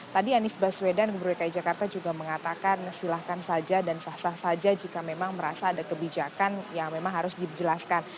tadi anies baswedan gubernur dki jakarta juga mengatakan silahkan saja dan sah sah saja jika memang merasa ada kebijakan yang memang harus dijelaskan